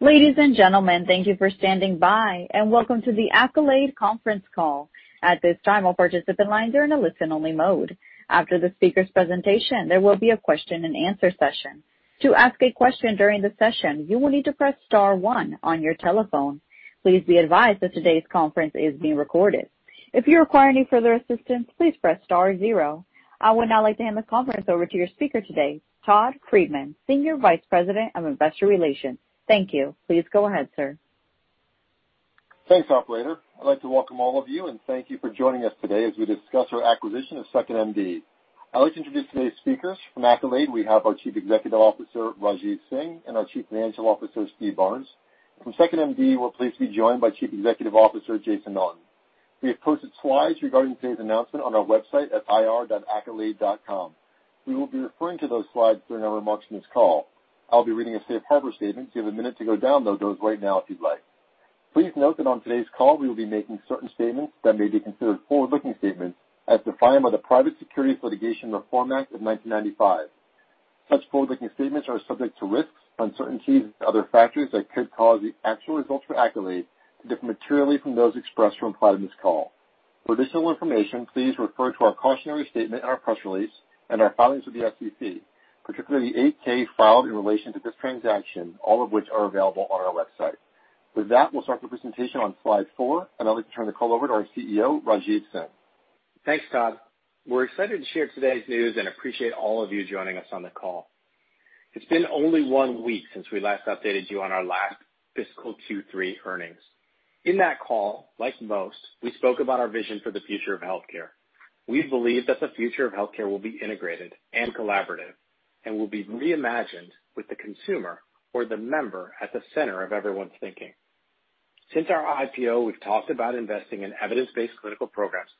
Ladies and gentlemen, thank you for standing by, and welcome to the Accolade Conference Call. At this time, all participant lines are in a listen-only mode. After the speaker's presentation, there will be a question and answer session, to ask a question during the session, you need to press star then one on your telephone. Please be advised that today's conference is being recorded if require any operator assistance please press star zero. I would now like to hand this conference over to your speaker today, Todd Friedman, Senior Vice President of Investor Relations. Thank you. Please go ahead, sir. Thanks, operator. I'd like to welcome all of you and thank you for joining us today as we discuss our acquisition of 2nd.MD. I'd like to introduce today's speakers. From Accolade, we have our Chief Executive Officer, Rajeev Singh, and our Chief Financial Officer, Steve Barnes. From 2nd.MD, we're pleased to be joined by Chief Executive Officer, Jason Melton. We have posted slides regarding today's announcement on our website at ir.accolade.com. We will be referring to those slides during our remarks on this call. I'll be reading a safe harbor statement. You have a minute to go download those right now if you'd like. Please note that on today's call, we will be making certain statements that may be considered forward-looking statements as defined by the Private Securities Litigation Reform Act of 1995. Such forward-looking statements are subject to risks, uncertainties, and other factors that could cause the actual results for Accolade to differ materially from those expressed or implied on this call. For additional information, please refer to our cautionary statement in our press release and our filings with the SEC, particularly the 8-K filed in relation to this transaction, all of which are available on our website. With that, we'll start the presentation on slide four, and I'd like to turn the call over to our CEO, Rajeev Singh. Thanks, Todd. We're excited to share today's news and appreciate all of you joining us on the call. It's been only one week since we last updated you on our last fiscal Q3 earnings. In that call, like most, we spoke about our vision for the future of healthcare. We believe that the future of healthcare will be integrated and collaborative and will be reimagined with the consumer or the member at the center of everyone's thinking. Since our IPO, we've talked about investing in evidence-based clinical programs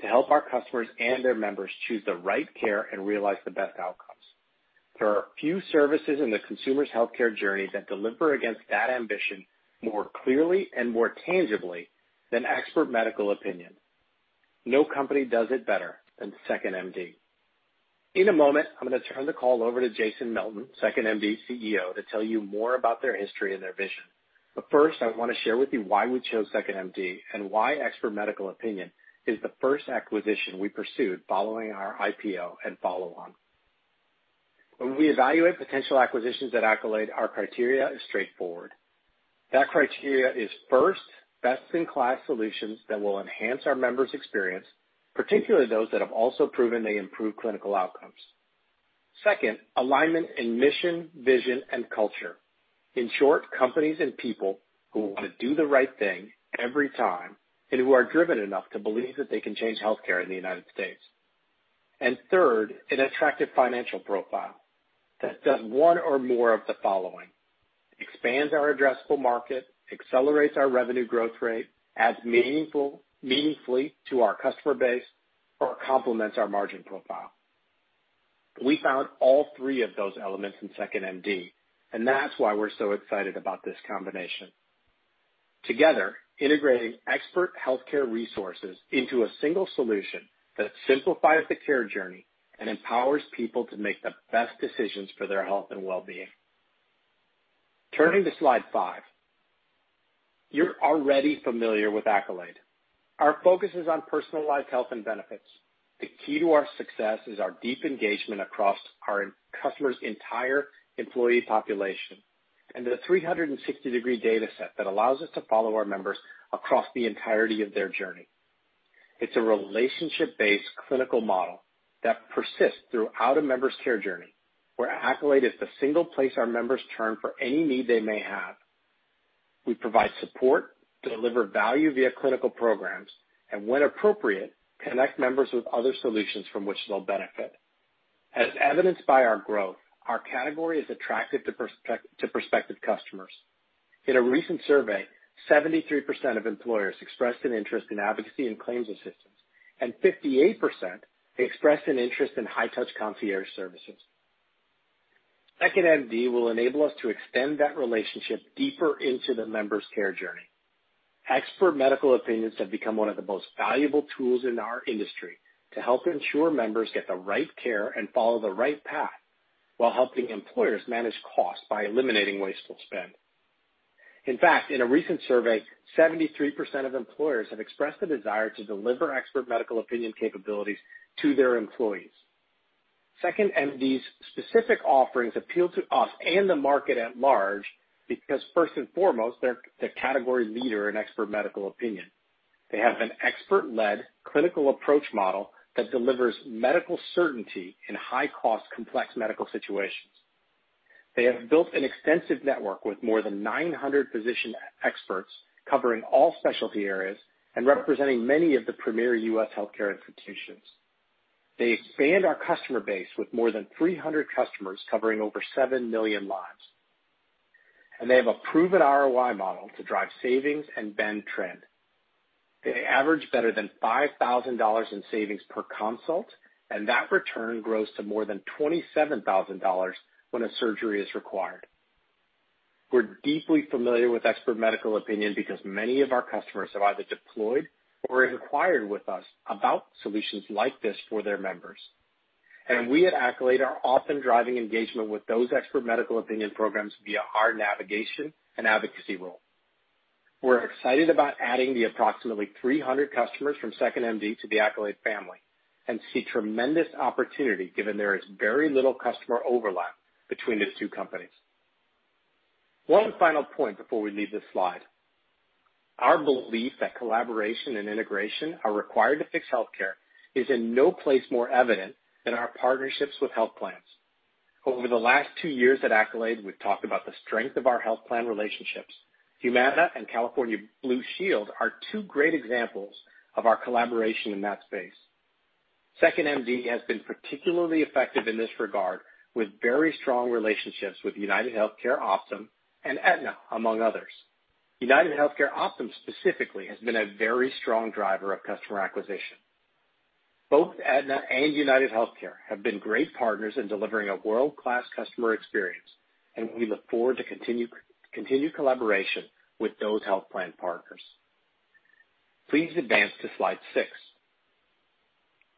to help our customers and their members choose the right care and realize the best outcomes. There are few services in the consumer's healthcare journey that deliver against that ambition more clearly and more tangibly than expert medical opinion. No company does it better than 2nd.MD. In a moment, I'm going to turn the call over to Jason Melton, 2nd.MD's CEO, to tell you more about their history and their vision. First, I want to share with you why we chose 2nd.MD and why expert medical opinion is the first acquisition we pursued following our IPO and follow-on. When we evaluate potential acquisitions at Accolade, our criteria is straightforward. That criteria is first, best-in-class solutions that will enhance our members' experience, particularly those that have also proven they improve clinical outcomes. Second, alignment in mission, vision, and culture. In short, companies and people who want to do the right thing every time and who are driven enough to believe that they can change healthcare in the United States. Third, an attractive financial profile that does one or more of the following: expands our addressable market, accelerates our revenue growth rate, adds meaningfully to our customer base, or complements our margin profile. We found all three of those elements in 2nd.MD, and that's why we're so excited about this combination. Together, integrating expert healthcare resources into a single solution that simplifies the care journey and empowers people to make the best decisions for their health and well-being. Turning to slide five. You're already familiar with Accolade. Our focus is on personal life, health, and benefits. The key to our success is our deep engagement across our customers' entire employee population and the 360-degree data set that allows us to follow our members across the entirety of their journey. It's a relationship-based clinical model that persists throughout a member's care journey, where Accolade is the single place our members turn for any need they may have. We provide support, deliver value via clinical programs, and when appropriate, connect members with other solutions from which they'll benefit. As evidenced by our growth, our category is attractive to prospective customers. In a recent survey, 73% of employers expressed an interest in advocacy and claims assistance, and 58% expressed an interest in high-touch concierge services. 2nd.MD will enable us to extend that relationship deeper into the member's care journey. Expert medical opinions have become one of the most valuable tools in our industry to help ensure members get the right care and follow the right path while helping employers manage costs by eliminating wasteful spend. In fact, in a recent survey, 73% of employers have expressed a desire to deliver expert medical opinion capabilities to their employees. 2nd.MD's specific offerings appeal to us and the market at large because first and foremost, they're the category leader in expert medical opinion. They have an expert-led clinical approach model that delivers medical certainty in high-cost, complex medical situations. They have built an extensive network with more than 900 physician experts covering all specialty areas and representing many of the premier U.S. healthcare institutions. They expand our customer base with more than 300 customers covering over seven million lives, and they have a proven ROI model to drive savings and bend trend. They average better than $5,000 in savings per consult, and that return grows to more than $27,000 when a surgery is required. We're deeply familiar with expert medical opinion because many of our customers have either deployed or have inquired with us about solutions like this for their members. We at Accolade are often driving engagement with those expert medical opinion programs via our navigation and advocacy role. We're excited about adding the approximately 300 customers from 2nd.MD to the Accolade family and see tremendous opportunity, given there is very little customer overlap between the two companies. One final point before we leave this slide. Our belief that collaboration and integration are required to fix healthcare is in no place more evident than our partnerships with health plans. Over the last two years at Accolade, we've talked about the strength of our health plan relationships. Humana and Blue Shield of California are two great examples of our collaboration in that space. 2nd.MD has been particularly effective in this regard, with very strong relationships with UnitedHealthcare Optum and Aetna, among others. UnitedHealthcare Optum specifically has been a very strong driver of customer acquisition. Both Aetna and UnitedHealthcare have been great partners in delivering a world-class customer experience, and we look forward to continued collaboration with those health plan partners. Please advance to slide six.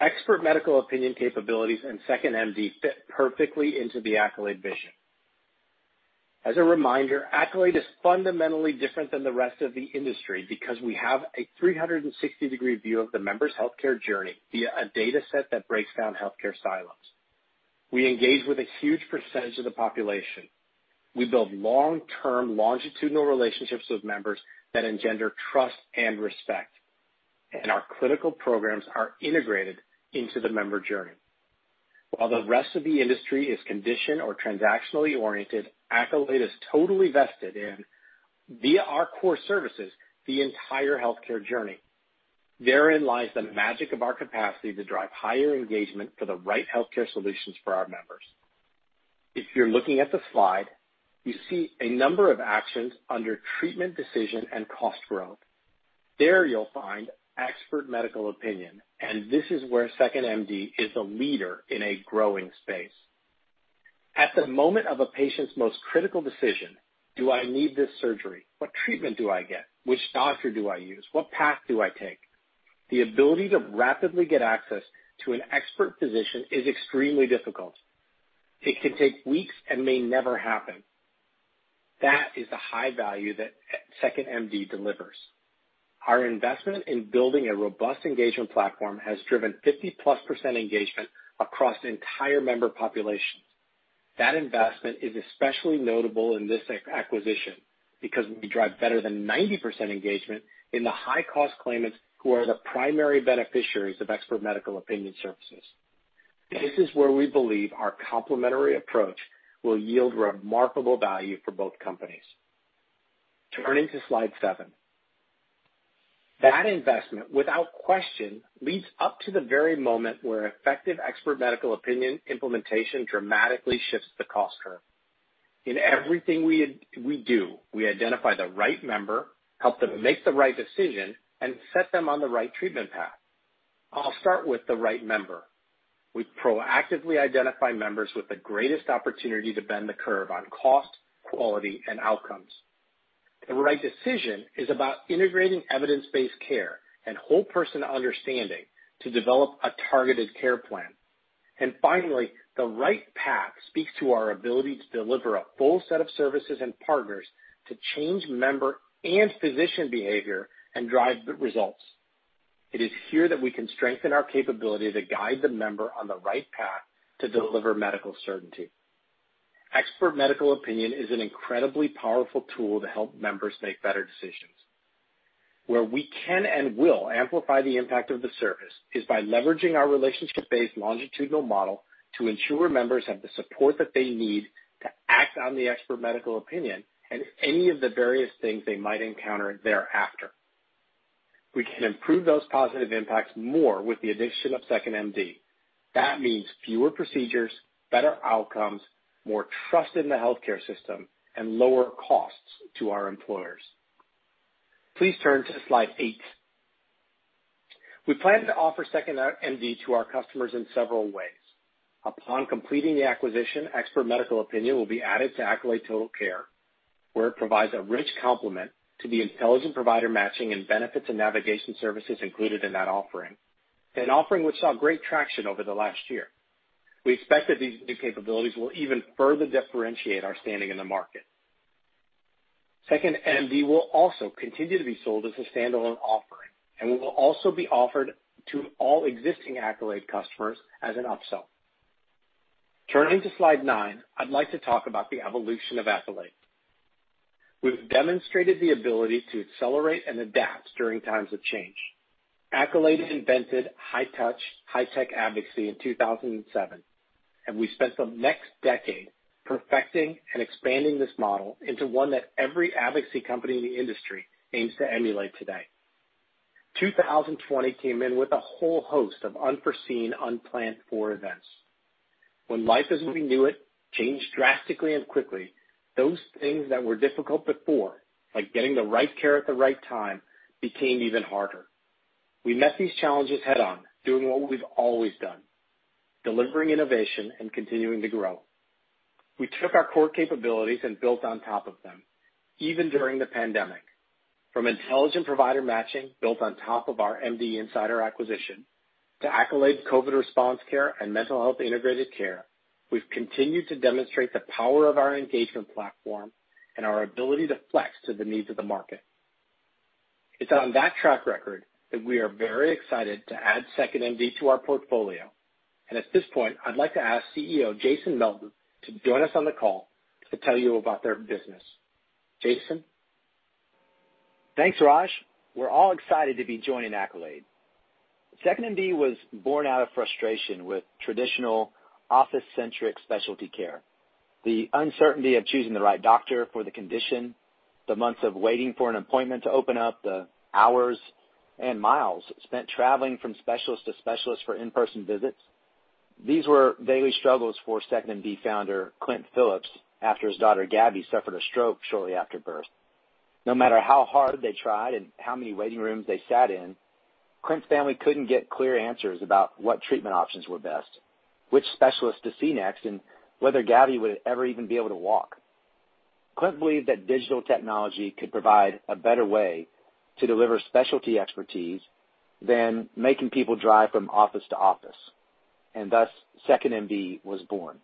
Expert medical opinion capabilities and 2nd.MD fit perfectly into the Accolade vision. As a reminder, Accolade is fundamentally different than the rest of the industry because we have a 360-degree view of the member's healthcare journey via a data set that breaks down healthcare silos. We engage with a huge percentage of the population. We build long-term, longitudinal relationships with members that engender trust and respect, and our clinical programs are integrated into the member journey. While the rest of the industry is condition or transactionally oriented, Accolade is totally vested in, via our core services, the entire healthcare journey. Therein lies the magic of our capacity to drive higher engagement for the right healthcare solutions for our members. If you're looking at the slide, you see a number of actions under treatment decision and cost growth. There you'll find expert medical opinion, and this is where 2nd.MD is a leader in a growing space. At the moment of a patient's most critical decision, do I need this surgery? What treatment do I get? Which doctor do I use? What path do I take? The ability to rapidly get access to an expert physician is extremely difficult. It can take weeks and may never happen. That is the high value that 2nd.MD delivers. Our investment in building a robust engagement platform has driven 50-plus% engagement across entire member populations. That investment is especially notable in this acquisition because we drive better than 90% engagement in the high cost claimants who are the primary beneficiaries of expert medical opinion services. This is where we believe our complementary approach will yield remarkable value for both companies. Turning to slide seven. That investment, without question, leads up to the very moment where effective expert medical opinion implementation dramatically shifts the cost curve. In everything we do, we identify the right member, help them make the right decision, and set them on the right treatment path. I'll start with the right member. We proactively identify members with the greatest opportunity to bend the curve on cost, quality, and outcomes. The right decision is about integrating evidence-based care and whole person understanding to develop a targeted care plan. Finally, the right path speaks to our ability to deliver a full set of services and partners to change member and physician behavior and drive results. It is here that we can strengthen our capability to guide the member on the right path to deliver medical certainty. Expert medical opinion is an incredibly powerful tool to help members make better decisions. Where we can and will amplify the impact of the service is by leveraging our relationship-based longitudinal model to ensure members have the support that they need to act on the expert medical opinion and any of the various things they might encounter thereafter. We can improve those positive impacts more with the addition of 2nd.MD. That means fewer procedures, better outcomes, more trust in the healthcare system, and lower costs to our employers. Please turn to slide eight. We plan to offer 2nd.MD to our customers in several ways. Upon completing the acquisition, expert medical opinion will be added to Accolade Total Care, where it provides a rich complement to the intelligent provider matching and benefits and navigation services included in that offering. An offering which saw great traction over the last year. We expect that these new capabilities will even further differentiate our standing in the market. 2nd.MD will also continue to be sold as a standalone offering and will also be offered to all existing Accolade customers as an upsell. Turning to slide nine, I'd like to talk about the evolution of Accolade. We've demonstrated the ability to accelerate and adapt during times of change. Accolade invented high touch, high tech advocacy in 2007. We spent the next decade perfecting and expanding this model into one that every advocacy company in the industry aims to emulate today. 2020 came in with a whole host of unforeseen, unplanned for events. When life as we knew it changed drastically and quickly, those things that were difficult before, like getting the right care at the right time, became even harder. We met these challenges head on, doing what we've always done, delivering innovation and continuing to grow. We took our core capabilities and built on top of them, even during the pandemic. From intelligent provider matching, built on top of our MD Insider acquisition, to Accolade COVID Response Care and Mental Health Integrated Care, we've continued to demonstrate the power of our engagement platform and our ability to flex to the needs of the market. It's on that track record that we are very excited to add 2nd.MD to our portfolio. At this point, I'd like to ask CEO Jason Melton to join us on the call to tell you about their business. Jason? Thanks, Raj. We're all excited to be joining Accolade. 2nd.MD was born out of frustration with traditional office-centric specialty care. The uncertainty of choosing the right doctor for the condition, the months of waiting for an appointment to open up, the hours and miles spent traveling from specialist to specialist for in-person visits. These were daily struggles for 2nd.MD founder Clint Phillips, after his daughter Gabi suffered a stroke shortly after birth. No matter how hard they tried and how many waiting rooms they sat in, Clint's family couldn't get clear answers about what treatment options were best, which specialist to see next, and whether Gabi would ever even be able to walk. Clint believed that digital technology could provide a better way to deliver specialty expertise than making people drive from office to office, and thus 2nd.MD was born.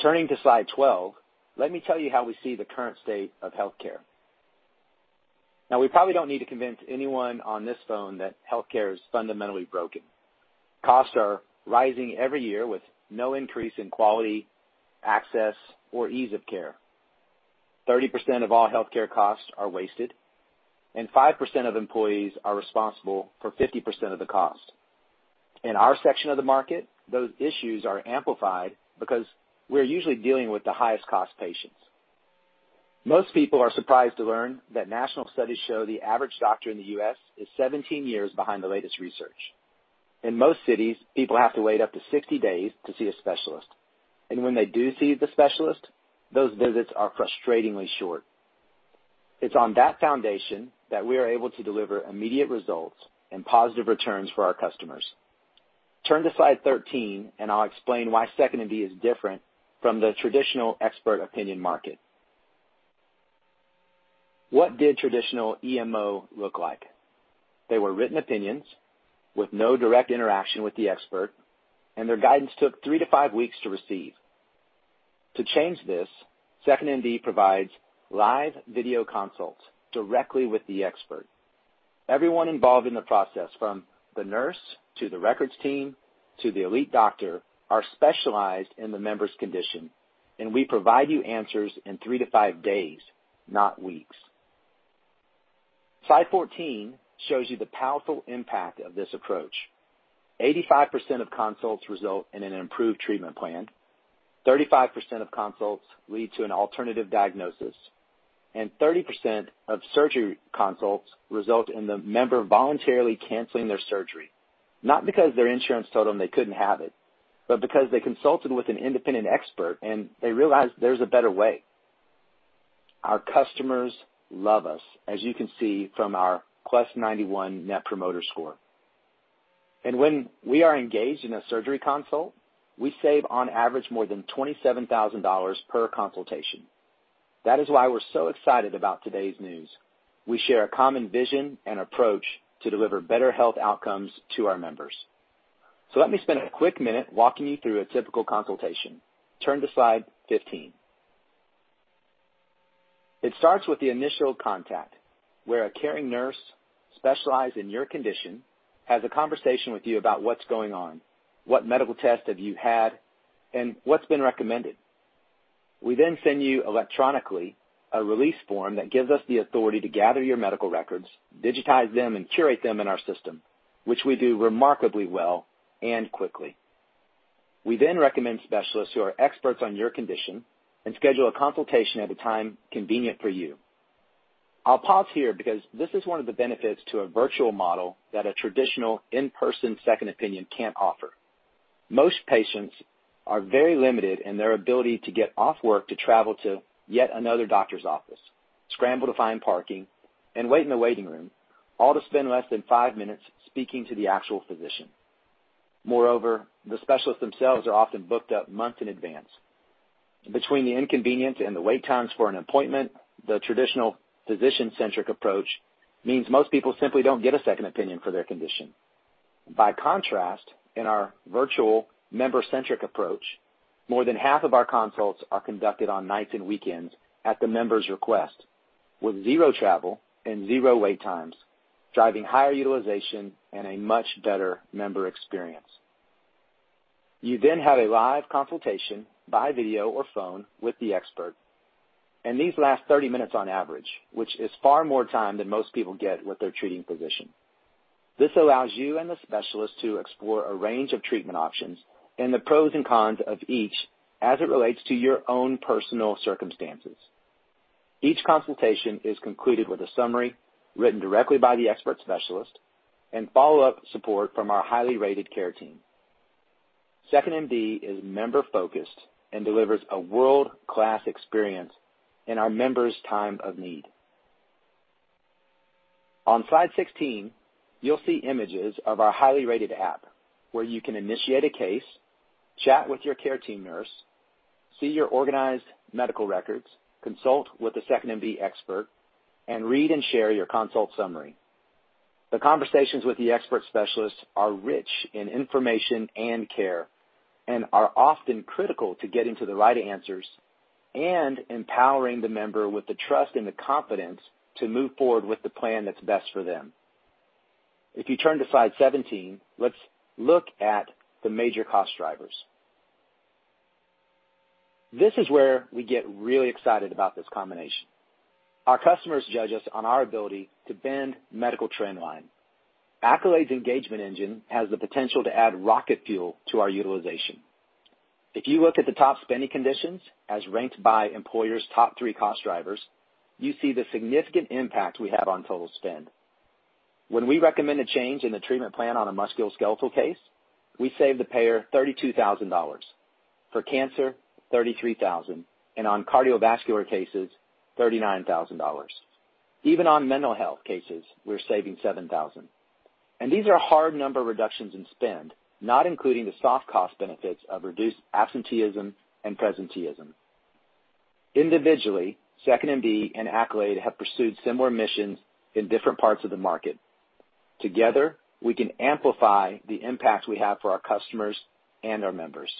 Turning to slide 12, let me tell you how we see the current state of healthcare. Now, we probably don't need to convince anyone on this phone that healthcare is fundamentally broken. Costs are rising every year with no increase in quality, access, or ease of care. 30% of all healthcare costs are wasted, and 5% of employees are responsible for 50% of the cost. In our section of the market, those issues are amplified because we're usually dealing with the highest cost patients. Most people are surprised to learn that national studies show the average doctor in the U.S. is 17 years behind the latest research. In most cities, people have to wait up to 60 days to see a specialist. When they do see the specialist, those visits are frustratingly short. It's on that foundation that we are able to deliver immediate results and positive returns for our customers. Turn to slide 13. I'll explain why 2nd.MD is different from the traditional expert opinion market. What did traditional EMO look like? They were written opinions with no direct interaction with the expert. Their guidance took three to five weeks to receive. To change this, 2nd.MD provides live video consults directly with the expert. Everyone involved in the process, from the nurse to the records team to the elite doctor, are specialized in the member's condition. We provide you answers in three to five days, not weeks. Slide 14 shows you the powerful impact of this approach. 85% of consults result in an improved treatment plan, 35% of consults lead to an alternative diagnosis, and 30% of surgery consults result in the member voluntarily canceling their surgery, not because their insurance told them they couldn't have it, but because they consulted with an independent expert and they realized there's a better way. Our customers love us, as you can see from our best-in-class 91 Net Promoter Score. When we are engaged in a surgery consult, we save on average more than $27,000 per consultation. That is why we're so excited about today's news. We share a common vision and approach to deliver better health outcomes to our members. Let me spend a quick minute walking you through a typical consultation. Turn to slide 15. It starts with the initial contact, where a caring nurse, specialized in your condition, has a conversation with you about what's going on, what medical tests have you had, and what's been recommended. We send you electronically a release form that gives us the authority to gather your medical records, digitize them, and curate them in our system, which we do remarkably well and quickly. We recommend specialists who are experts on your condition and schedule a consultation at a time convenient for you. I'll pause here because this is one of the benefits to a virtual model that a traditional in-person second opinion can't offer. Most patients are very limited in their ability to get off work to travel to yet another doctor's office, scramble to find parking, and wait in the waiting room, all to spend less than five minutes speaking to the actual physician. The specialists themselves are often booked up months in advance. Between the inconvenience and the wait times for an appointment, the traditional physician-centric approach means most people simply don't get a second opinion for their condition. By contrast, in our virtual member-centric approach, more than half of our consults are conducted on nights and weekends at the member's request, with zero travel and zero wait times, driving higher utilization and a much better member experience. You have a live consultation by video or phone with the expert, and these last 30 minutes on average, which is far more time than most people get with their treating physician. This allows you and the specialist to explore a range of treatment options and the pros and cons of each as it relates to your own personal circumstances. Each consultation is concluded with a summary written directly by the expert specialist and follow-up support from our highly rated care team. 2nd.MD is member-focused and delivers a world-class experience in our members' time of need. On slide 16, you'll see images of our highly rated app, where you can initiate a case, chat with your care team nurse, see your organized medical records, consult with a 2nd.MD expert, and read and share your consult summary. The conversations with the expert specialists are rich in information and care and are often critical to getting to the right answers and empowering the member with the trust and the confidence to move forward with the plan that's best for them. If you turn to slide 17, let's look at the major cost drivers. This is where we get really excited about this combination. Our customers judge us on our ability to bend medical trend line. Accolade's engagement engine has the potential to add rocket fuel to our utilization. If you look at the top spending conditions, as ranked by employers' top three cost drivers, you see the significant impact we have on total spend. When we recommend a change in the treatment plan on a musculoskeletal case, we save the payer $32,000. For cancer, $33,000, and on cardiovascular cases, $39,000. Even on mental health cases, we're saving $7,000. These are hard number reductions in spend, not including the soft cost benefits of reduced absenteeism and presenteeism. Individually, 2nd.MD and Accolade have pursued similar missions in different parts of the market. Together, we can amplify the impact we have for our customers and our members.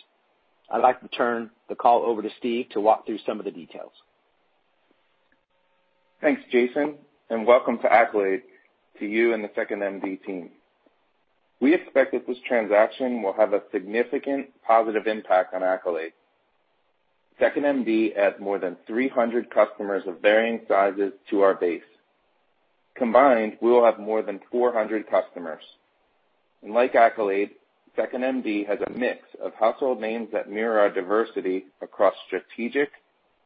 I'd like to turn the call over to Steve to walk through some of the details. Thanks, Jason, and welcome to Accolade to you and the 2nd.MD team. We expect that this transaction will have a significant positive impact on Accolade. 2nd.MD adds more than 300 customers of varying sizes to our base. Combined, we will have more than 400 customers. Like Accolade, 2nd.MD has a mix of household names that mirror our diversity across strategic,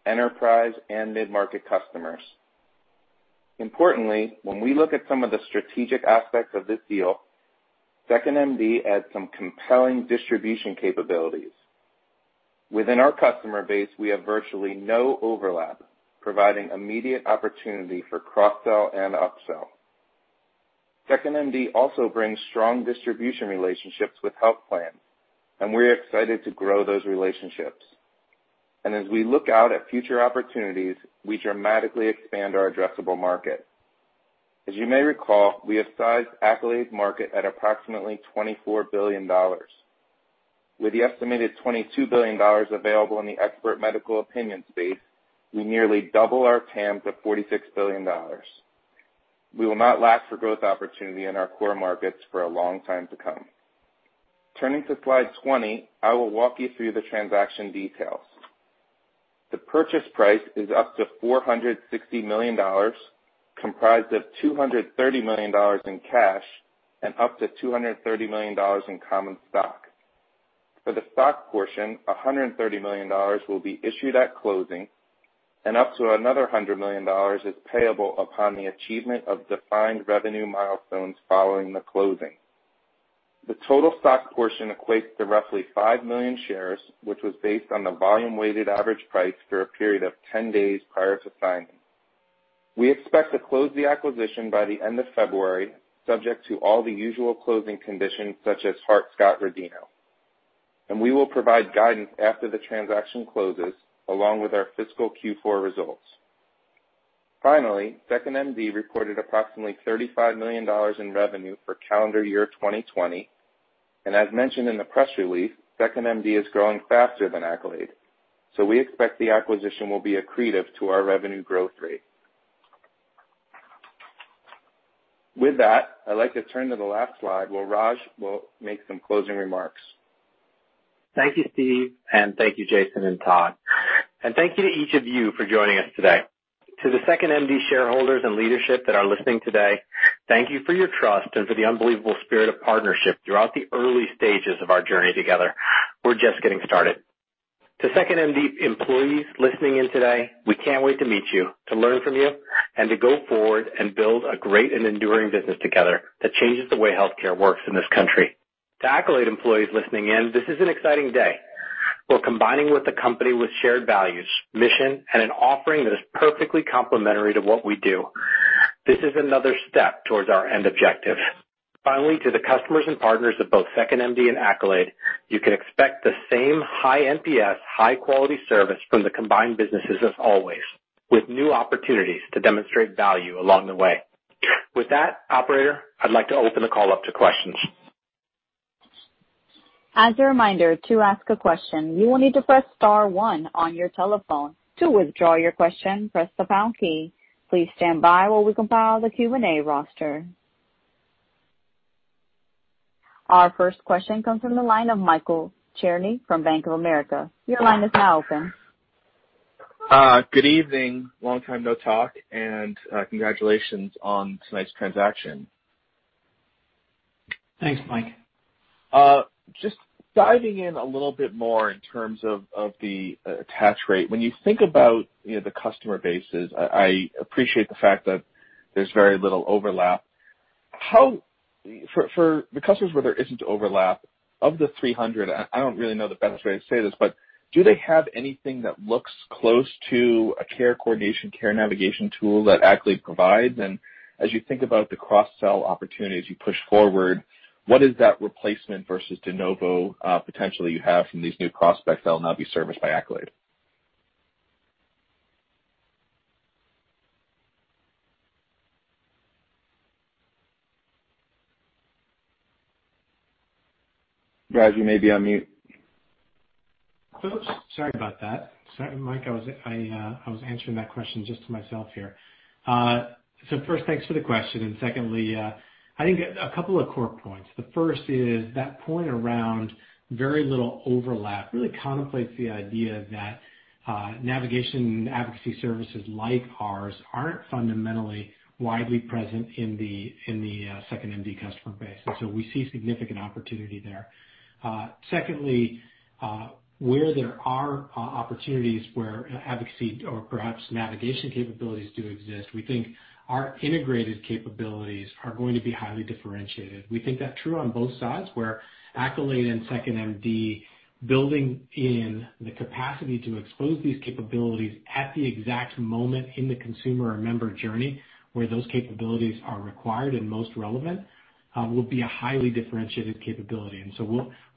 enterprise, and mid-market customers. Importantly, when we look at some of the strategic aspects of this deal, 2nd.MD adds some compelling distribution capabilities. Within our customer base, we have virtually no overlap, providing immediate opportunity for cross-sell and upsell. 2nd.MD also brings strong distribution relationships with health plans, and we're excited to grow those relationships. As we look out at future opportunities, we dramatically expand our addressable market. As you may recall, we have sized Accolade's market at approximately $24 billion. With the estimated $22 billion available in the expert medical opinion space, we nearly double our TAM to $46 billion. We will not lack for growth opportunity in our core markets for a long time to come. Turning to slide 20, I will walk you through the transaction details. The purchase price is up to $460 million, comprised of $230 million in cash and up to $230 million in common stock. For the stock portion, $130 million will be issued at closing and up to another $100 million is payable upon the achievement of defined revenue milestones following the closing. The total stock portion equates to roughly 5 million shares, which was based on the volume-weighted average price for a period of 10 days prior to signing. We expect to close the acquisition by the end of February, subject to all the usual closing conditions such as Hart-Scott-Rodino. We will provide guidance after the transaction closes, along with our fiscal Q4 results. Finally, 2nd.MD reported approximately $35 million in revenue for calendar year 2020. As mentioned in the press release, 2nd.MD is growing faster than Accolade, so we expect the acquisition will be accretive to our revenue growth rate. With that, I'd like to turn to the last slide, where Raj will make some closing remarks. Thank you, Steve, and thank you, Jason and Todd. Thank you to each of you for joining us today. To the 2nd.MD shareholders and leadership that are listening today, thank you for your trust and for the unbelievable spirit of partnership throughout the early stages of our journey together. We're just getting started. To 2nd.MD employees listening in today, we can't wait to meet you, to learn from you, and to go forward and build a great and enduring business together that changes the way healthcare works in this country. To Accolade employees listening in, this is an exciting day. We're combining with a company with shared values, mission, and an offering that is perfectly complementary to what we do. This is another step towards our end objective. Finally, to the customers and partners of both 2nd.MD and Accolade, you can expect the same high NPS, high-quality service from the combined businesses as always, with new opportunities to demonstrate value along the way. With that, operator, I'd like to open the call up to questions. As a reminder, to ask a question, you will need to press star one on your telephone. To withdraw your question, press the pound key. Please stand by while we compile the Q&A roster. Our first question comes from the line of Michael Cherny from Bank of America. Your line is now open. Good evening. Long time no talk, and congratulations on tonight's transaction. Thanks, Mike. Just diving in a little bit more in terms of the attach rate. When you think about the customer bases, I appreciate the fact that there's very little overlap. For the customers where there isn't overlap, of the 300, I don't really know the best way to say this, but do they have anything that looks close to a care coordination, care navigation tool that Accolade provides? As you think about the cross-sell opportunities you push forward, what is that replacement versus de novo potential you have from these new prospects that will now be serviced by Accolade? Raj, you may be on mute. Oops, sorry about that. Sorry, Mike, I was answering that question just to myself here. First, thanks for the question, and secondly, I think a couple of core points. The first is that point around very little overlap really contemplates the idea that navigation and advocacy services like ours aren't fundamentally widely present in the 2nd.MD customer base. We see significant opportunity there. Secondly, where there are opportunities where advocacy or perhaps navigation capabilities do exist, we think our integrated capabilities are going to be highly differentiated. We think that true on both sides, where Accolade and 2nd.MD building in the capacity to expose these capabilities at the exact moment in the consumer or member journey, where those capabilities are required and most relevant, will be a highly differentiated capability.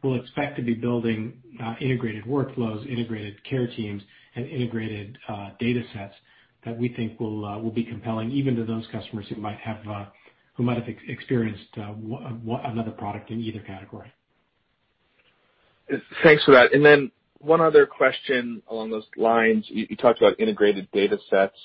We'll expect to be building integrated workflows, integrated care teams, and integrated data sets that we think will be compelling even to those customers who might have experienced another product in either category. Thanks for that. One other question along those lines. You talked about integrated data sets.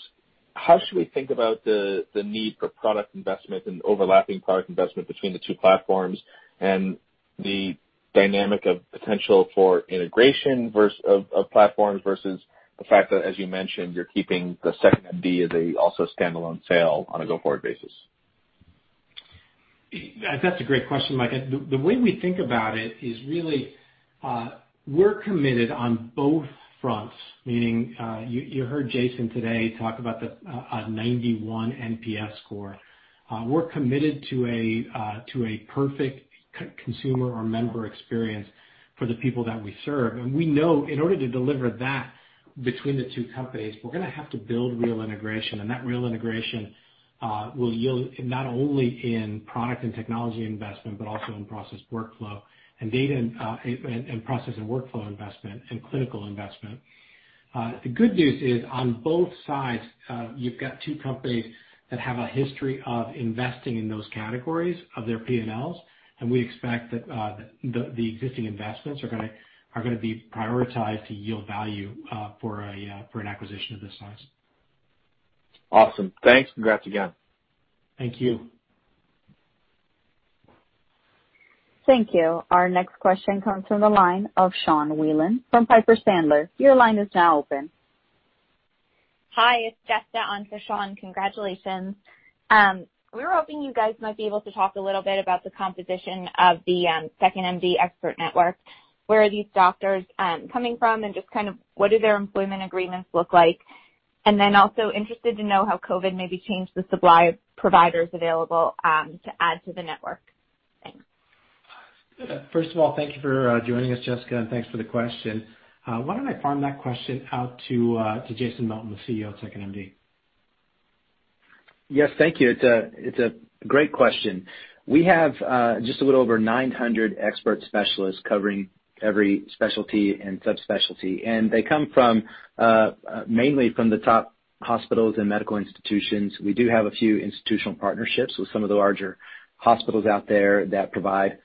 How should we think about the need for product investment and overlapping product investment between the two platforms and the dynamic of potential for integration of platforms versus the fact that, as you mentioned, you're keeping the 2nd.MD as a also standalone sale on a go-forward basis? That's a great question, Mike. The way we think about it is really, we're committed on both fronts, meaning, you heard Jason today talk about a 91 NPS score. We're committed to a perfect consumer or member experience for the people that we serve. We know in order to deliver that between the two companies, we're going to have to build real integration, and that real integration will yield not only in product and technology investment, but also in process workflow and data and process and workflow investment and clinical investment. The good news is, on both sides, you've got two companies that have a history of investing in those categories of their P&Ls, and we expect that the existing investments are going to be prioritized to yield value for an acquisition of this size. Awesome. Thanks. Congrats again. Thank you. Thank you. Our next question comes from the line of Sean Wieland from Piper Sandler. Your line is now open. Hi, it's Jessica on for Sean. Congratulations. We were hoping you guys might be able to talk a little bit about the composition of the 2nd.MD expert network. Where are these doctors coming from, and just what do their employment agreements look like? Also interested to know how COVID maybe changed the supply of providers available to add to the network. Thanks. First of all, thank you for joining us, Jessica, and thanks for the question. Why don't I farm that question out to Jason Melton, the CEO of 2nd.MD? Yes, thank you. It's a great question. We have just a little over 900 expert specialists covering every specialty and subspecialty, and they come mainly from the top hospitals and medical institutions. We do have a few institutional partnerships with some of the larger hospitals out there that provide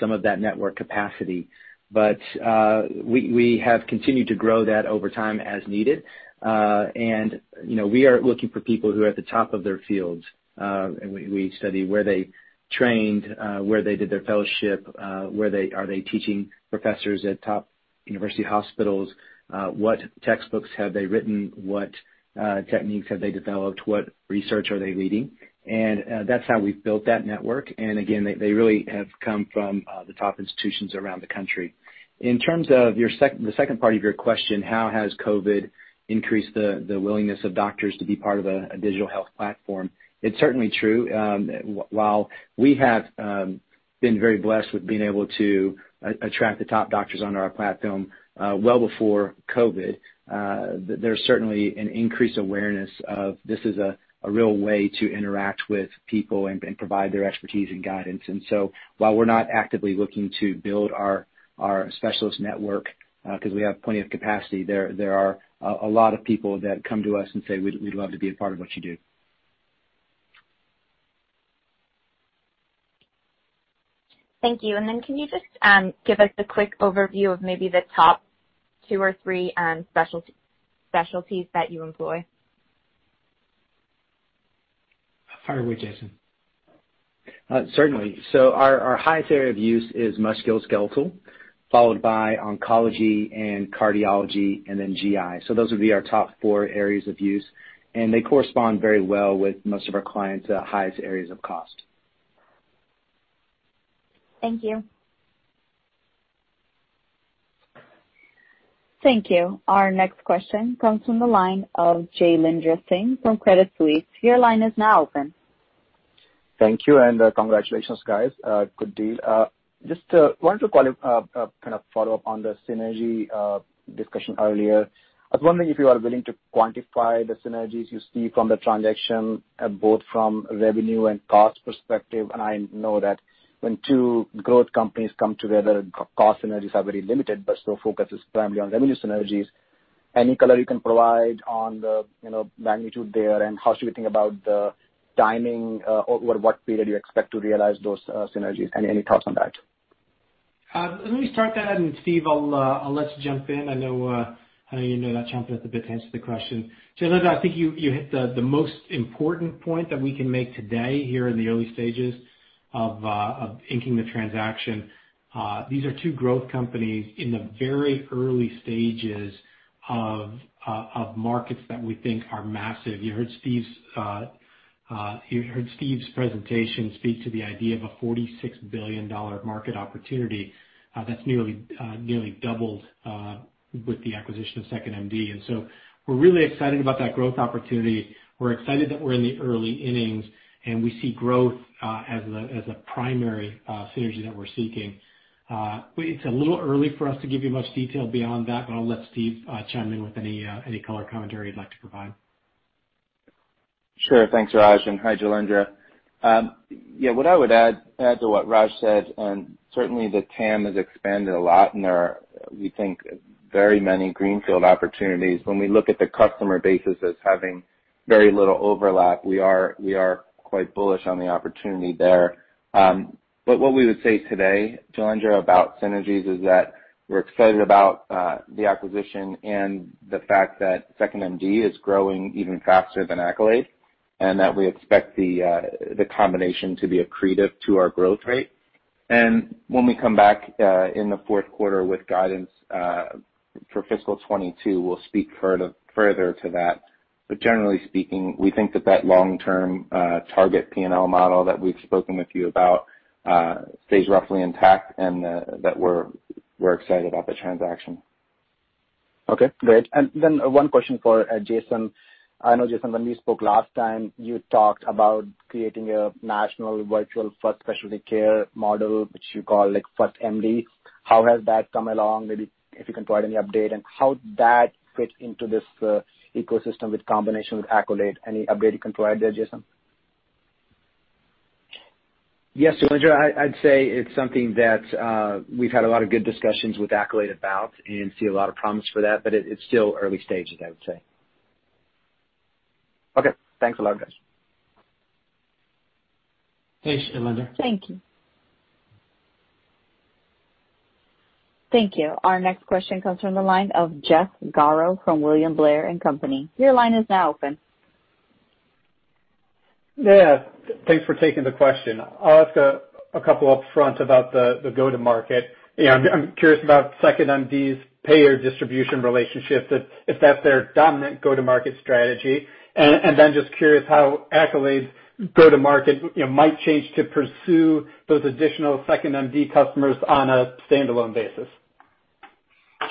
some of that network capacity. We have continued to grow that over time as needed. We are looking for people who are at the top of their fields. We study where they trained, where they did their fellowship, are they teaching professors at top university hospitals? What textbooks have they written? What techniques have they developed? What research are they leading? That's how we've built that network. Again, they really have come from the top institutions around the country. In terms of the second part of your question, how has COVID increased the willingness of doctors to be part of a digital health platform? It's certainly true. While we have been very blessed with being able to attract the top doctors onto our platform well before COVID, there's certainly an increased awareness of this is a real way to interact with people and provide their expertise and guidance. While we're not actively looking to build our specialist network because we have plenty of capacity, there are a lot of people that come to us and say, "We'd love to be a part of what you do. Thank you. Then can you just give us a quick overview of maybe the top two or three specialties that you employ? Fire away, Jason. Certainly. Our highest area of use is musculoskeletal, followed by oncology and cardiology, and then GI. Those would be our top four areas of use, and they correspond very well with most of our clients' highest areas of cost. Thank you. Thank you. Our next question comes from the line of Jailendra Singh from Credit Suisse. Your line is now open. Thank you. Congratulations, guys. Good deal. Just wanted to kind of follow up on the synergy discussion earlier. I was wondering if you are willing to quantify the synergies you see from the transaction, both from revenue and cost perspective. I know that when two growth companies come together, cost synergies are very limited, but still focus is primarily on revenue synergies. Any color you can provide on the magnitude there, and how should we think about the timing, or over what period do you expect to realize those synergies? Any thoughts on that? Let me start that. Steve, I'll let you jump in. I know you're not chomping at the bit to answer the question. Jailendra, I think you hit the most important point that we can make today, here in the early stages of inking the transaction. These are two growth companies in the very early stages of markets that we think are massive. You heard Steve's presentation speak to the idea of a $46 billion market opportunity. That's nearly doubled with the acquisition of 2nd.MD. We're really excited about that growth opportunity. We're excited that we're in the early innings. We see growth as a primary synergy that we're seeking. It's a little early for us to give you much detail beyond that. I'll let Steve chime in with any color commentary you'd like to provide. Sure. Thanks, Raj, and hi, Jailendra. What I would add to what Raj said, certainly the TAM has expanded a lot and there are, we think, very many greenfield opportunities. When we look at the customer bases as having very little overlap, we are quite bullish on the opportunity there. What we would say today, Jailendra, about synergies is that we're excited about the acquisition and the fact that 2nd.MD is growing even faster than Accolade, and that we expect the combination to be accretive to our growth rate. When we come back in the fourth quarter with guidance for fiscal 2022, we'll speak further to that. Generally speaking, we think that long-term target P&L model that we've spoken with you about stays roughly intact and that we're excited about the transaction. Okay, great. One question for Jason. I know, Jason, when we spoke last time, you talked about creating a national virtual first specialty care model, which you call FirstMD. How has that come along? Maybe if you can provide any update and how that fits into this ecosystem with combination with Accolade. Any update you can provide there, Jason? Yes, Jailendra. I'd say it's something that we've had a lot of good discussions with Accolade about and see a lot of promise for that, but it's still early stages, I would say. Okay. Thanks a lot, guys. Thanks, Jailendra. Thank you. Thank you. Our next question comes from the line of Jeff Garro from William Blair & Company. Your line is now open. Yeah. Thanks for taking the question. I'll ask a couple upfront about the go-to-market. I'm curious about 2nd.MD's payer distribution relationship, if that's their dominant go-to-market strategy. Then just curious how Accolade's go-to-market might change to pursue those additional 2nd.MD customers on a standalone basis.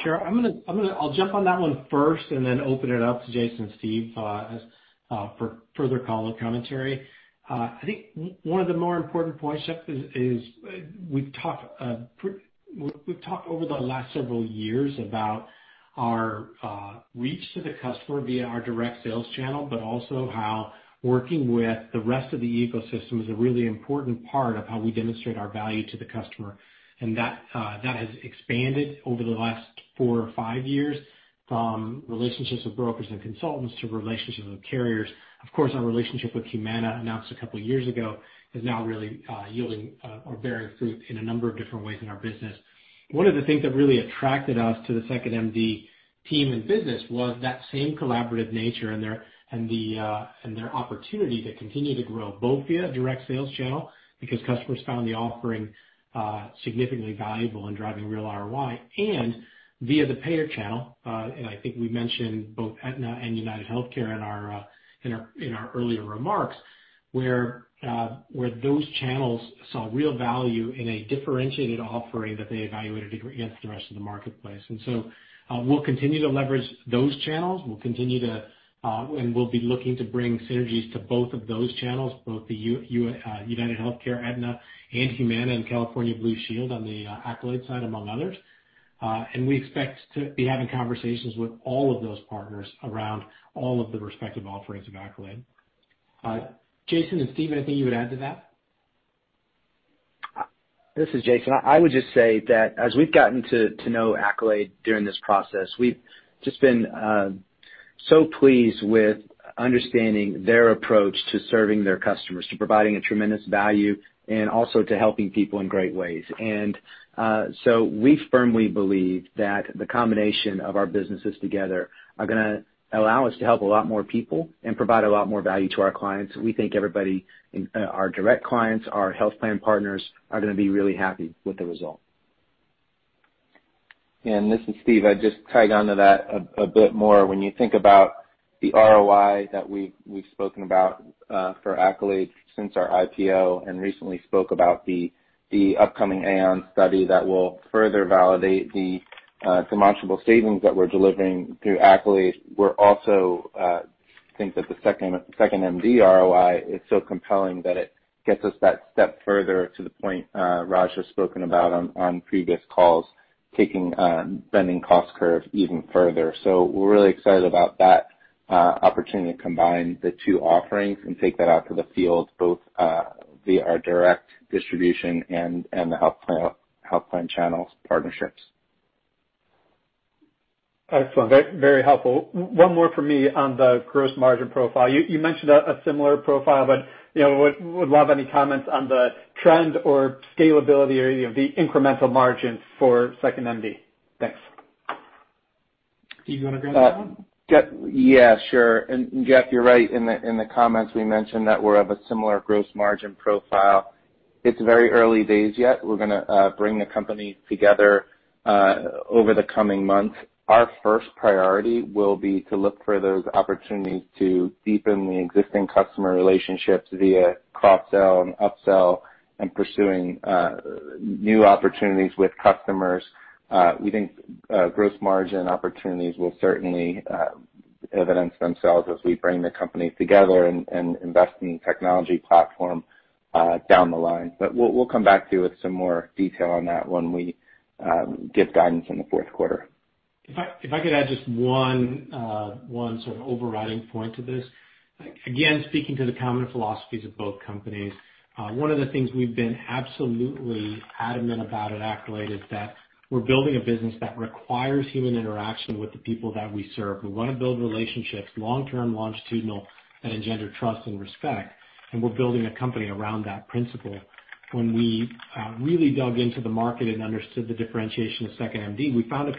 Sure. I'll jump on that one first and then open it up to Jason and Steve for further color commentary. I think one of the more important points, Jeff, is we've talked over the last several years about our reach to the customer via our direct sales channel, but also how working with the rest of the ecosystem is a really important part of how we demonstrate our value to the customer. That has expanded over the last four or five years from relationships with brokers and consultants to relationships with carriers. Of course, our relationship with Humana, announced a couple of years ago, is now really yielding or bearing fruit in a number of different ways in our business. One of the things that really attracted us to the 2nd.MD team and business was that same collaborative nature and their opportunity to continue to grow, both via direct sales channel, because customers found the offering significantly valuable in driving real ROI, and via the payer channel. I think we mentioned both Aetna and UnitedHealthcare in our earlier remarks, where those channels saw real value in a differentiated offering that they evaluated against the rest of the marketplace. We'll continue to leverage those channels. We'll be looking to bring synergies to both of those channels, both the UnitedHealthcare, Aetna and Humana and California Blue Shield on the Accolade side, among others. We expect to be having conversations with all of those partners around all of the respective offerings of Accolade. Jason and Steve, anything you would add to that? This is Jason. I would just say that as we've gotten to know Accolade during this process, we've just been so pleased with understanding their approach to serving their customers, to providing a tremendous value and also to helping people in great ways. We firmly believe that the combination of our businesses together are going to allow us to help a lot more people and provide a lot more value to our clients. We think everybody, our direct clients, our health plan partners, are going to be really happy with the result. This is Steve. I'd just tag onto that a bit more. When you think about the ROI that we've spoken about for Accolade since our IPO, and recently spoke about the upcoming Aon study that will further validate the demonstrable savings that we're delivering through Accolade. We also think that the 2nd.MD ROI is so compelling that it gets us that step further to the point Raj has spoken about on previous calls, taking, bending cost curve even further. We're really excited about that opportunity to combine the two offerings and take that out to the field, both via our direct distribution and the health plan channels partnerships. Excellent. Very helpful. One more for me on the gross margin profile. You mentioned a similar profile, but would love any comments on the trend or scalability or the incremental margins for 2nd.MD. Thanks. Do you want to grab that one? Yeah, sure. Jeff, you're right in the comments we mentioned that we're of a similar gross margin profile. It's very early days yet. We're going to bring the company together over the coming months. Our first priority will be to look for those opportunities to deepen the existing customer relationships via cross-sell and up-sell and pursuing new opportunities with customers. We think gross margin opportunities will certainly evidence themselves as we bring the company together and invest in technology platform, down the line. We'll come back to you with some more detail on that when we give guidance in the fourth quarter. If I could add just one sort of overriding point to this. Again, speaking to the common philosophies of both companies. One of the things we've been absolutely adamant about at Accolade is that we're building a business that requires human interaction with the people that we serve. We want to build relationships, long-term, longitudinal, that engender trust and respect, and we're building a company around that principle. When we really dug into the market and understood the differentiation of 2nd.MD, we found a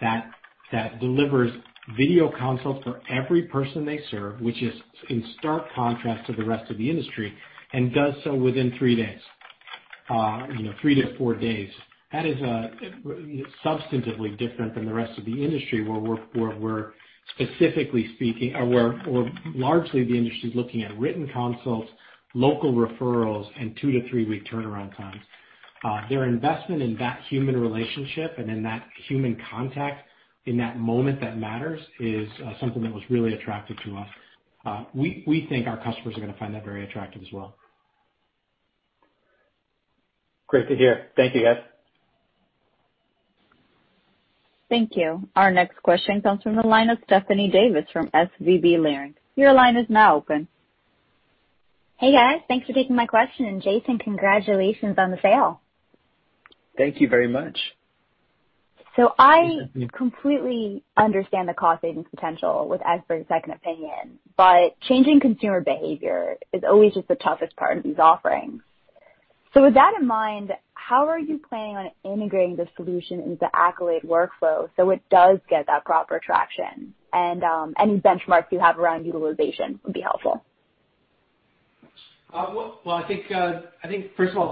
company that delivers video consults for every person they serve, which is in stark contrast to the rest of the industry, and does so within three days. Three to four days. That is substantively different than the rest of the industry where we're specifically speaking or where largely the industry's looking at written consults, local referrals, and two to three-week turnaround times. Their investment in that human relationship and in that human contact in that moment that matters is something that was really attractive to us. We think our customers are going to find that very attractive as well. Great to hear. Thank you, guys. Thank you. Our next question comes from the line of Stephanie Davis from SVB Leerink. Hey, guys. Thanks for taking my question. Jason, congratulations on the sale. Thank you very much. I completely understand the cost savings potential with expert second opinion, but changing consumer behavior is always just the toughest part of these offerings. With that in mind, how are you planning on integrating the solution into Accolade workflow so it does get that proper traction? Any benchmarks you have around utilization would be helpful.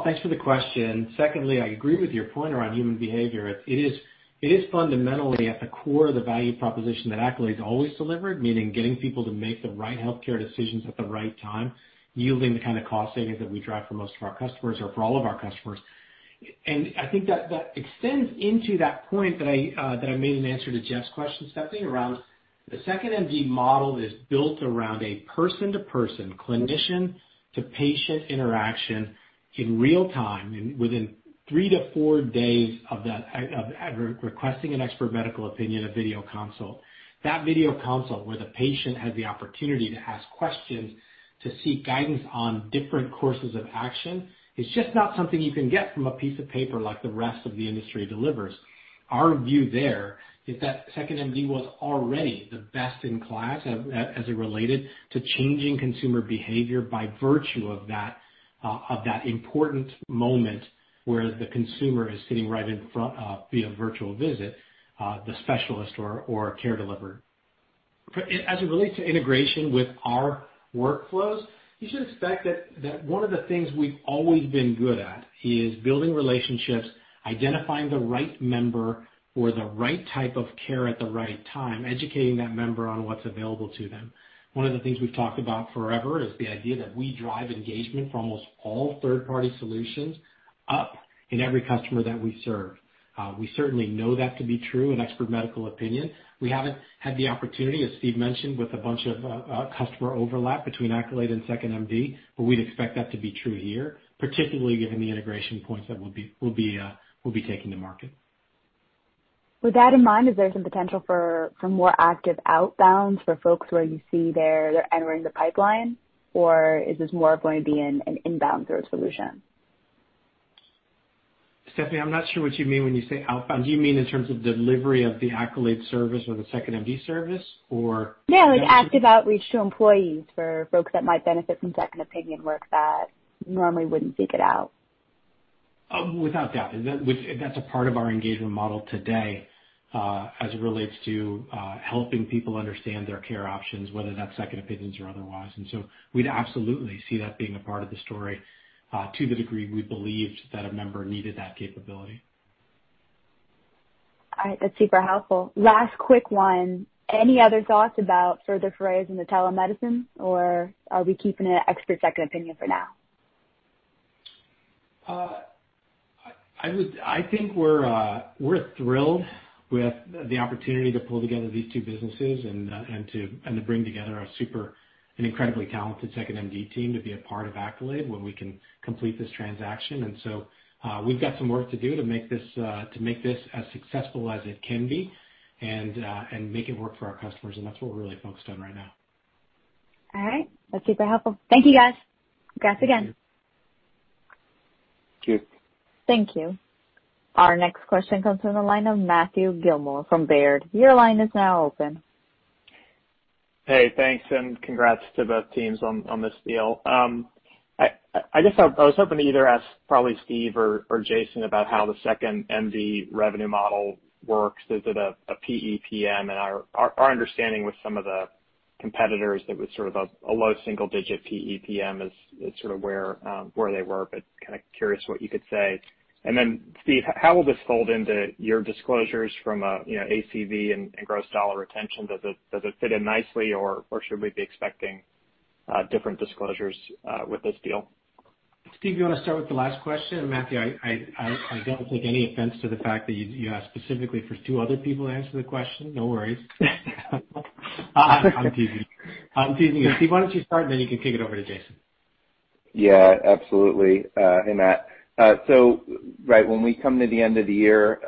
Thanks for the question. Secondly, I agree with your point around human behavior. It is fundamentally at the core of the value proposition that Accolade's always delivered, meaning getting people to make the right healthcare decisions at the right time, yielding the kind of cost savings that we drive for most of our customers or for all of our customers. I think that extends into that point that I made in answer to Jeff's question, Stephanie, around the 2nd.MD model is built around a person-to-person, clinician-to-patient interaction in real time, and within three to four days of requesting an expert medical opinion, a video consult. That video consult, where the patient has the opportunity to ask questions, to seek guidance on different courses of action, is just not something you can get from a piece of paper like the rest of the industry delivers. Our view there is that 2nd.MD was already the best-in-class as it related to changing consumer behavior by virtue of that important moment where the consumer is sitting right in front, via virtual visit, the specialist or care deliverer. As it relates to integration with our workflows, you should expect that one of the things we've always been good at is building relationships, identifying the right member for the right type of care at the right time, educating that member on what's available to them. One of the things we've talked about forever is the idea that we drive engagement for almost all third-party solutions up in every customer that we serve. We certainly know that to be true in expert medical opinion. We haven't had the opportunity, as Steve mentioned, with a bunch of customer overlap between Accolade and 2nd.MD, but we'd expect that to be true here, particularly given the integration points that we'll be taking to market. With that in mind, is there some potential for some more active outbounds for folks where you see they're entering the pipeline, or is this more going to be an inbound sort of solution? Stephanie, I'm not sure what you mean when you say outbound. Do you mean in terms of delivery of the Accolade service or the 2nd.MD service? No, like active outreach to employees for folks that might benefit from second opinion work that normally wouldn't seek it out. Without doubt. That's a part of our engagement model today, as it relates to helping people understand their care options, whether that's second opinions or otherwise. We'd absolutely see that being a part of the story, to the degree we believed that a member needed that capability. All right. That's super helpful. Last quick one, any other thoughts about further forays into telemedicine, or are we keeping it expert second opinion for now? I think we're thrilled with the opportunity to pull together these two businesses and to bring together an incredibly talented 2nd.MD team to be a part of Accolade when we can complete this transaction. We've got some work to do to make this as successful as it can be and make it work for our customers, and that's what we're really focused on right now. All right. That's super helpful. Thank you, guys. Congrats again. Thank you. Thank you. Our next question comes from the line of Matthew Gillmor from Baird. Hey, thanks, and congrats to both teams on this deal. I was hoping to either ask probably Steve or Jason about how the 2nd.MD revenue model works. Is it a PEPM? Our understanding with some of the competitors that was sort of a low single-digit PEPM is sort of where they were, but kind of curious what you could say. Steve, how will this fold into your disclosures from ACV and gross dollar retention? Does it fit in nicely, or should we be expecting different disclosures with this deal? Steve, you want to start with the last question? Matthew, I don't take any offense to the fact that you asked specifically for two other people to answer the question. No worries. I'm teasing you. Steve, why don't you start, and then you can kick it over to Jason. Yeah, absolutely. Hey, Matt. Right when we come to the end of the year,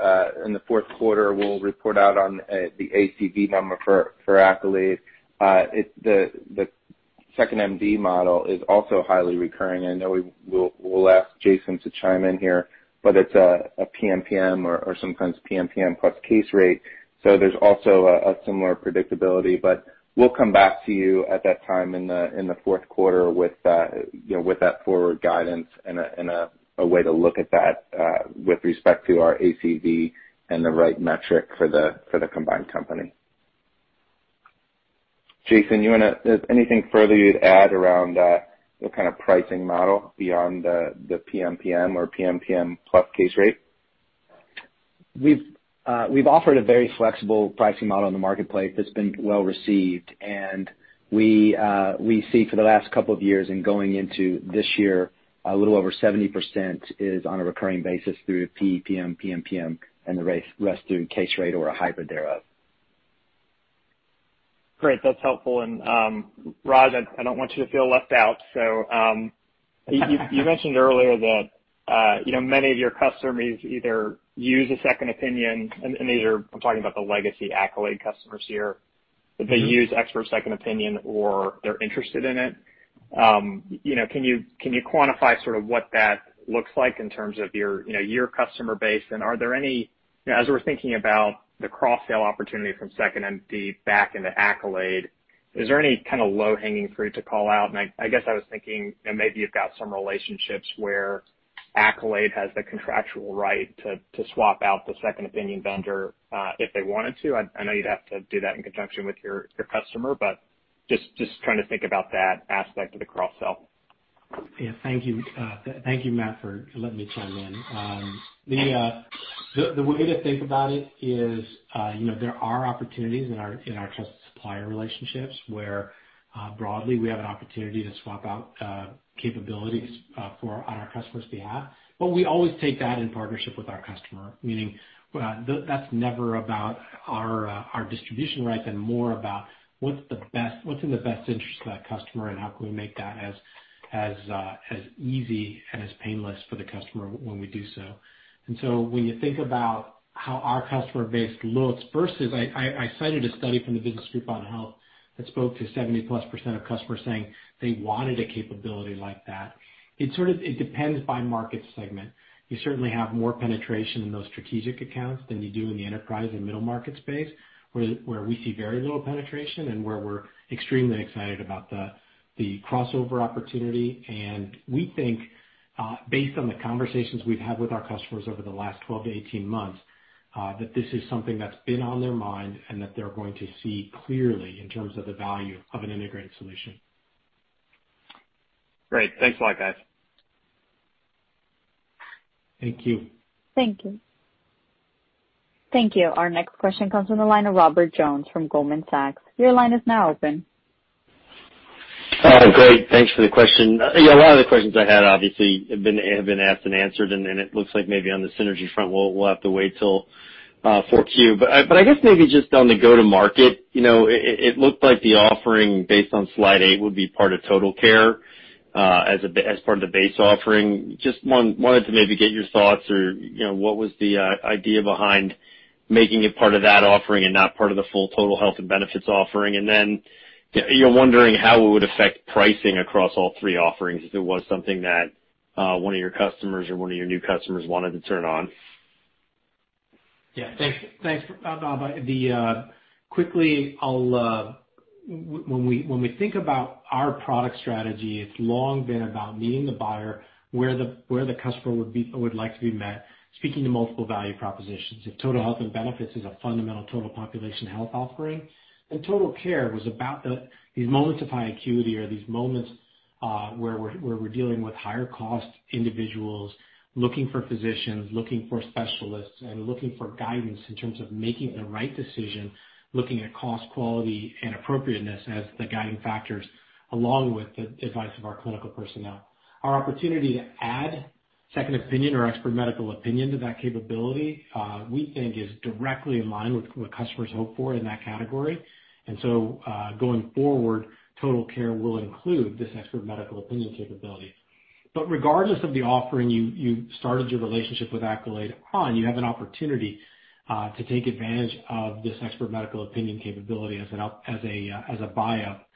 in the fourth quarter, we'll report out on the ACV number for Accolade. The 2nd.MD model is also highly recurring. I know we'll ask Jason to chime in here, but it's a PMPM or sometimes PMPM plus case rate. There's also a similar predictability. We'll come back to you at that time in the fourth quarter with that forward guidance and a way to look at that with respect to our ACV and the right metric for the combined company. Jason, anything further you'd add around what kind of pricing model beyond the PMPM or PMPM plus case rate? We've offered a very flexible pricing model in the marketplace that's been well received. We see for the last couple of years and going into this year, a little over 70% is on a recurring basis through PEPM, PMPM, and the rest through case rate or a hybrid thereof. Great. That's helpful. Raj, I don't want you to feel left out. You mentioned earlier that many of your customers either use a second opinion, and I'm talking about the legacy Accolade customers here, that they use expert second opinion, or they're interested in it. Can you quantify sort of what that looks like in terms of your customer base? As we're thinking about the cross-sell opportunity from 2nd.MD back into Accolade, is there any kind of low-hanging fruit to call out? I guess I was thinking that maybe you've got some relationships where Accolade has the contractual right to swap out the second opinion vendor if they wanted to. I know you'd have to do that in conjunction with your customer, just trying to think about that aspect of the cross-sell. Thank you Matt, for letting me chime in. The way to think about it is there are opportunities in our trusted supplier relationships where broadly we have an opportunity to swap out capabilities on our customer's behalf. We always take that in partnership with our customer, meaning, that's never about our distribution rights and more about what's in the best interest of that customer, and how can we make that as easy and as painless for the customer when we do so. When you think about how our customer base looks versus, I cited a study from the Business Group on Health that spoke to 70% plus of customers saying they wanted a capability like that. It depends by market segment. You certainly have more penetration in those strategic accounts than you do in the enterprise and middle market space, where we see very little penetration and where we're extremely excited about the crossover opportunity. We think, based on the conversations we've had with our customers over the last 12-18 months, that this is something that's been on their mind and that they're going to see clearly in terms of the value of an integrated solution. Great. Thanks a lot, guys. Thank you. Thank you. Thank you. Our next question comes from the line of Robert Jones from Goldman Sachs. Great. Thanks for the question. A lot of the questions I had obviously have been asked and answered, and then it looks like maybe on the synergy front, we'll have to wait till 4Q. I guess maybe just on the go to market, it looked like the offering based on slide eight would be part of Accolade Total Care as part of the base offering. Just wanted to maybe get your thoughts or what was the idea behind making it part of that offering and not part of the full Accolade Total Health and Benefits offering? Wondering how it would affect pricing across all three offerings if it was something that one of your customers or one of your new customers wanted to turn on. Thanks, Robert. Quickly, when we think about our product strategy, it's long been about meeting the buyer where the customer would like to be met, speaking to multiple value propositions. If Total Health and Benefits is a fundamental total population health offering, Total Care was about these moments of high acuity or these moments where we're dealing with higher-cost individuals looking for physicians, looking for specialists, and looking for guidance in terms of making the right decision, looking at cost, quality, and appropriateness as the guiding factors, along with the advice of our clinical personnel. Our opportunity to add second opinion or expert medical opinion to that capability, we think is directly in line with what customers hope for in that category. Going forward, Total Care will include this expert medical opinion capability. Regardless of the offering you started your relationship with Accolade on, you have an opportunity to take advantage of this expert medical opinion capability as a buy-up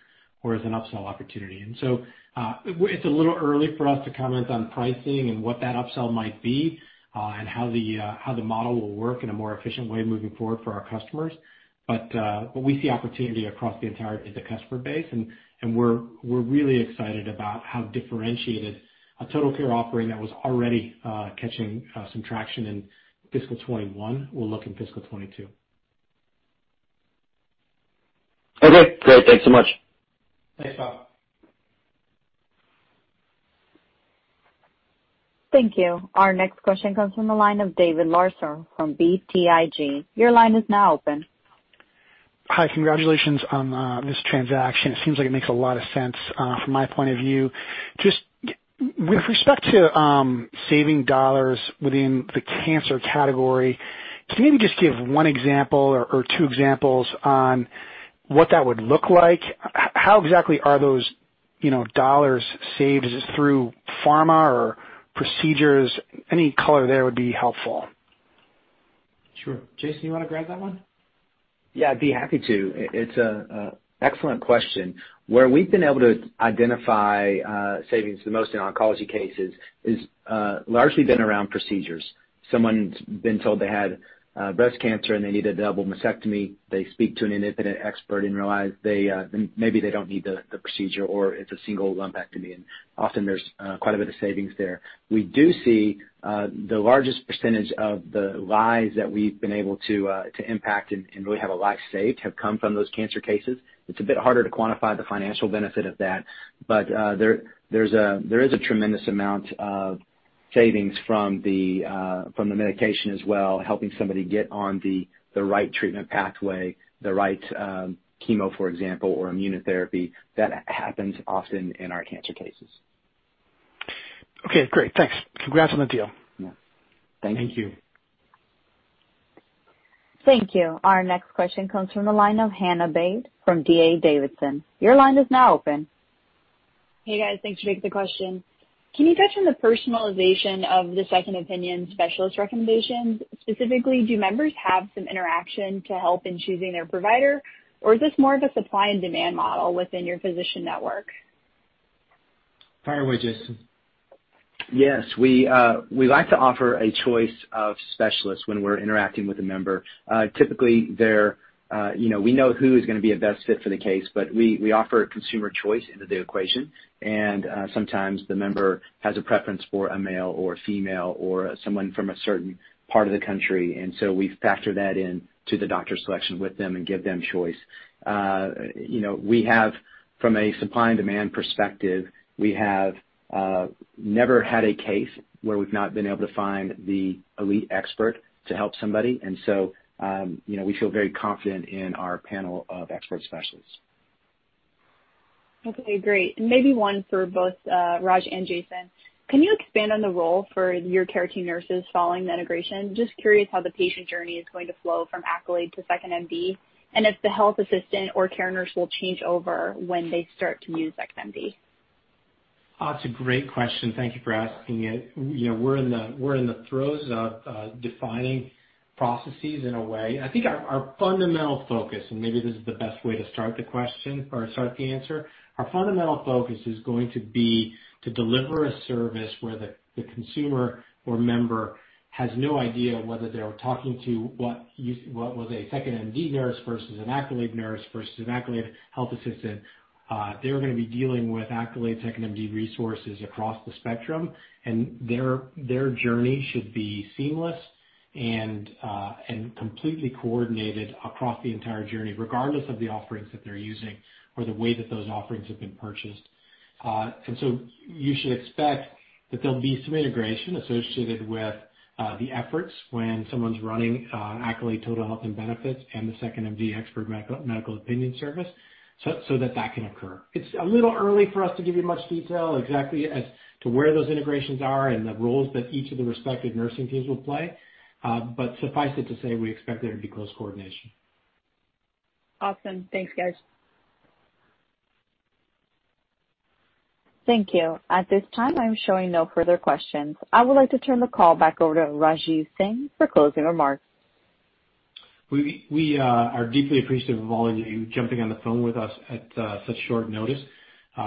or as an upsell opportunity. It's a little early for us to comment on pricing and what that upsell might be, and how the model will work in a more efficient way moving forward for our customers. We see opportunity across the entire customer base, and we're really excited about how differentiated a Total Care offering that was already catching some traction in fiscal 2021 will look in fiscal 2022. Okay, great. Thanks so much. Thanks, Bob. Thank you. Our next question comes from the line of David Larsen from BTIG. Your line is now open. Hi. Congratulations on this transaction. It seems like it makes a lot of sense from my point of view. Just with respect to saving dollars within the cancer category, can you maybe just give one example or two examples on what that would look like? How exactly are those dollars saved? Is this through pharma or procedures? Any color there would be helpful. Sure. Jason, you want to grab that one? Yeah, I'd be happy to. It's an excellent question. Where we've been able to identify savings the most in oncology cases is largely been around procedures. Someone's been told they had breast cancer and they need a double mastectomy. They speak to an independent expert and realize maybe they don't need the procedure, or it's a single lumpectomy, and often there's quite a bit of savings there. We do see the largest percentage of the lives that we've been able to impact and really have a life saved, have come from those cancer cases. It's a bit harder to quantify the financial benefit of that, but there is a tremendous amount of savings from the medication as well, helping somebody get on the right treatment pathway, the right chemo, for example, or immunotherapy. That happens often in our cancer cases. Okay, great. Thanks. Congrats on the deal. Yeah. Thank you. Thank you. Our next question comes from the line of Hannah Baade from D.A. Davidson. Your line is now open. Hey, guys. Thanks for taking the question. Can you touch on the personalization of the second opinion specialist recommendations? Specifically, do members have some interaction to help in choosing their provider, or is this more of a supply and demand model within your physician network? Fire away, Jason. Yes. We like to offer a choice of specialists when we're interacting with a member. Typically, we know who is going to be a best fit for the case, but we offer consumer choice into the equation, and sometimes the member has a preference for a male or a female or someone from a certain part of the country. We factor that in to the doctor selection with them and give them choice. From a supply and demand perspective, we have never had a case where we've not been able to find the elite expert to help somebody. We feel very confident in our panel of expert specialists. Okay, great. Maybe one for both Raj and Jason. Can you expand on the role for your care team nurses following the integration? Just curious how the patient journey is going to flow from Accolade to 2nd.MD, and if the Health Assistant or care nurse will change over when they start to use 2nd.MD. That's a great question. Thank you for asking it. We're in the throes of defining processes in a way. I think our fundamental focus, and maybe this is the best way to start the answer. Our fundamental focus is going to be to deliver a service where the consumer or member has no idea whether they're talking to what was a 2nd.MD nurse versus an Accolade nurse versus an Accolade Health Assistant. They're going to be dealing with Accolade 2nd.MD resources across the spectrum, and their journey should be seamless and completely coordinated across the entire journey, regardless of the offerings that they're using or the way that those offerings have been purchased. You should expect that there'll be some integration associated with the efforts when someone's running Accolade Total Health and Benefits and the 2nd.MD expert medical opinion service, so that that can occur. It's a little early for us to give you much detail exactly as to where those integrations are and the roles that each of the respective nursing teams will play. Suffice it to say, we expect there to be close coordination. Awesome. Thanks, guys. Thank you. At this time, I'm showing no further questions. I would like to turn the call back over to Raj Singh for closing remarks. We are deeply appreciative of all of you jumping on the phone with us at such short notice.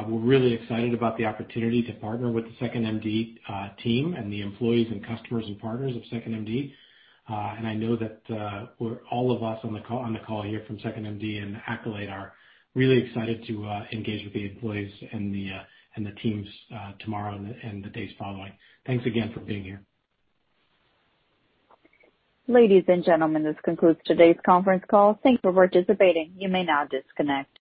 We're really excited about the opportunity to partner with the 2nd.MD team and the employees and customers and partners of 2nd.MD. I know that all of us on the call here from 2nd.MD and Accolade are really excited to engage with the employees and the teams tomorrow and the days following. Thanks again for being here. Ladies and gentlemen, this concludes today's conference call. Thank you for participating. You may now disconnect.